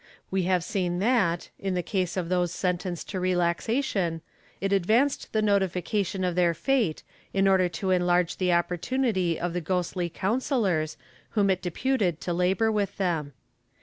We have seen that, in the case of those sentenced to relax ation, it advanced the notification of their fate, in order to enlarge the opportunity of the ghostly counsellors, whom it deputed to labor with them.